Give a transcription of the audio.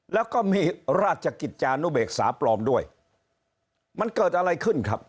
แล้วก็มีราชกิจจานุเบกษาปลอมด้วยมันเกิดอะไรขึ้นครับ